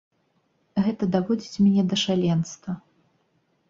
Гэта даводзіць мяне да шаленства.